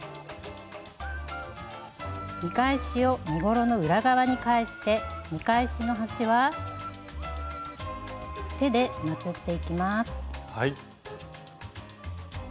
見返しを身ごろの裏側に返して見返しの端は手でまつっていきます。